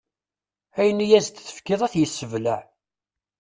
Ayen i yas-d-tefkiḍ ad t-issebleɛ.